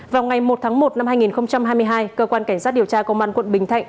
vào ngày một tháng một năm hai nghìn hai mươi hai cơ quan cảnh sát điều tra công an quận bình thạnh